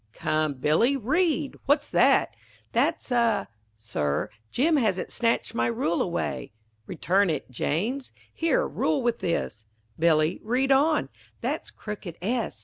_ Come, Billy, read What's that? That's A Sir, Jim has snatch'd my rule away Return it, James. Here rule with this Billy, read on, _That's crooked S.